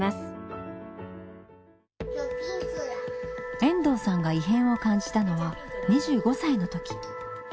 遠藤さんが異変を感じたのは２５歳のとき。